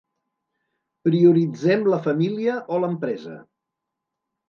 Prioritzem la família o l’empresa?